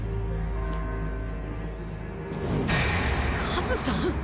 カズさん！？